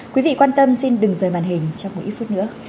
quý vị quan tâm xin đừng rời màn hình trong một ít phút nữa